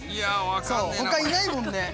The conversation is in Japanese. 他いないもんね。